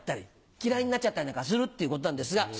嫌いになっちゃったりなんかするってことなんですが。